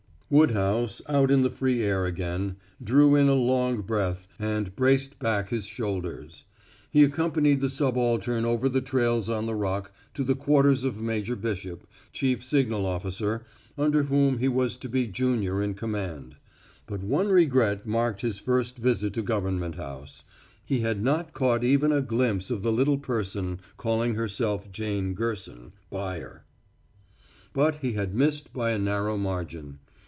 Woodhouse, out in the free air again, drew in a long breath and braced back his shoulders. He accompanied the subaltern over the trails on the Rock to the quarters of Major Bishop, chief signal officer, under whom he was to be junior in command. But one regret marked his first visit to Government House he had not caught even a glimpse of the little person calling herself Jane Gerson, buyer. But he had missed by a narrow margin.